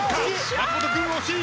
松本君惜しい！